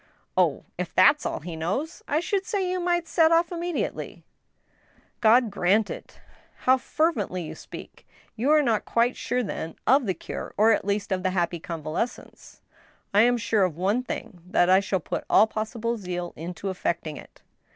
" Oh ! if that is all he knows, I should say you might set off im mediately." "God grant it I" IN THE ASHES, 123 " How fervently you speak !... You are not quite sure then of the cure— or, at least, of the happy convalescence ?"" I am sure of one thing, that I shall put all possible zeal into effecting it."